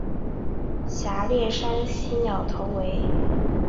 狭裂山西乌头为毛茛科乌头属下的一个变种。